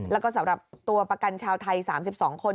แล้วก็สำหรับตัวประกันชาวไทย๓๒คน